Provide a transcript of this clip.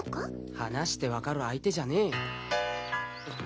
話して分かる相手じゃねえよん！